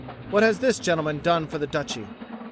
"What has this gentleman done for the Duchy?"